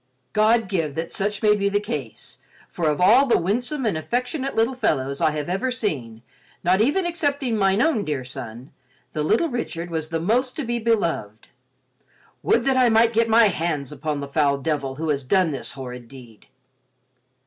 God give that such may be the case, for of all the winsome and affectionate little fellows I have ever seen, not even excepting mine own dear son, the little Richard was the most to be beloved. Would that I might get my hands upon the foul devil who has done this horrid deed."